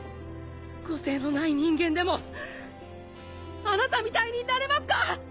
個性のない人間でもあなたみたいになれますか？